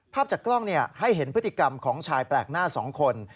จากกล้องให้เห็นพฤติกรรมของชายแปลกหน้า๒คน